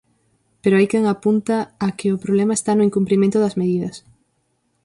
Pero hai quen apunta a que o problema está no incumprimento das medidas.